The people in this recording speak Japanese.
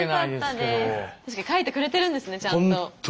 書いてくれてるんですねちゃんと。